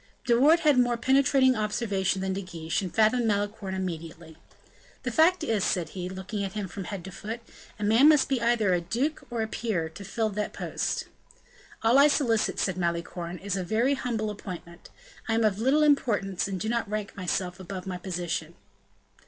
De Wardes had a more penetrating observation than De Guiche, and fathomed Malicorne immediately. "The fact is," he said, looking at him from head to foot, "a man must be either a duke or a peer to fill that post." "All I solicit," said Malicorne, "is a very humble appointment; I am of little importance, and I do not rank myself above my position."